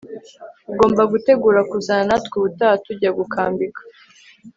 ugomba gutegura kuzana natwe ubutaha tujya gukambika